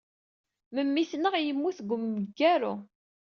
Memmi-tneɣ yemmut deg umgaru.